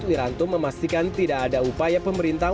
wiranto memastikan tidak ada upaya pemerintah